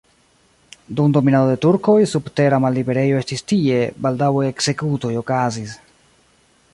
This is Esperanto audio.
Dum dominado de turkoj subtera malliberejo estis tie, baldaŭe ekzekutoj okazis.